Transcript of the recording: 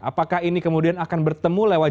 apakah ini kemudian akan bertemu lewat